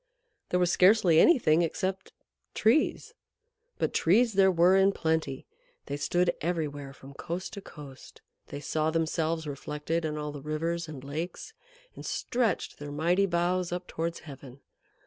There was scarcely anything except Trees. But Trees there were in plenty. They stood everywhere from coast to coast; they saw themselves reflected in all the rivers and lakes, and stretched their mighty boughs up towards heaven.